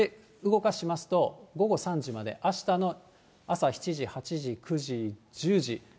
動かしますと、午後３時まで、あしたの朝７時、８時、９時、１０時、１１時。